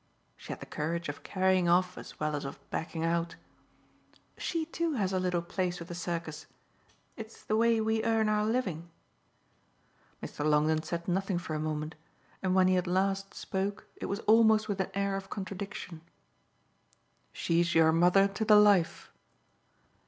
She had the courage of carrying off as well as of backing out. "She too has her little place with the circus it's the way we earn our living." Mr. Longdon said nothing for a moment and when he at last spoke it was almost with an air of contradiction. "She's your mother to the life."